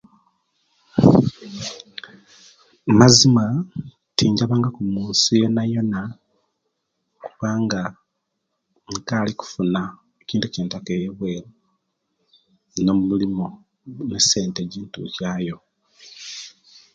Mazima tinjabangaku munsi yonayona kubanga nkali okufuna ekintu ekyentaka eyo ebweru no'mulimo ne'sente ejintukyayo